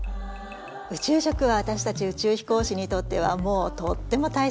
宇宙食はわたしたち宇宙飛行士にとってはもうとっても大切なものです。